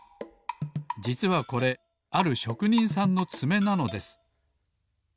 じつはこれあるしょくにんさんのつめなのです。